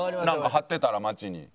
なんか貼ってたら街に。